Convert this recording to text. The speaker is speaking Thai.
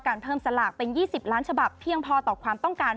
เพิ่มสลากเป็น๒๐ล้านฉบับเพียงพอต่อความต้องการ